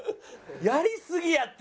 やりすぎやって！